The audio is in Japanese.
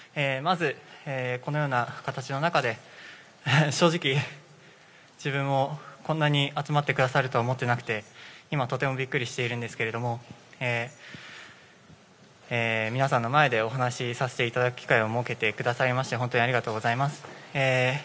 まず、このような形の中で正直、自分もこんなに集まってくださるとは思っていなくて今、とてもビックリしているんですけども皆さんの前でお話しさせていただく機会を設けてくださいまして本当にありがとうございます。